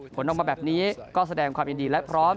ผลออกมาแบบนี้ก็แสดงความยินดีและพร้อม